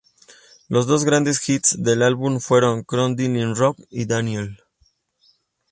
Los dos grandes "hits" del álbum fueron "Crocodile Rock" y "Daniel".